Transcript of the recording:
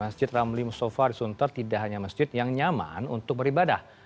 masjid ramli musofa di sunter tidak hanya masjid yang nyaman untuk beribadah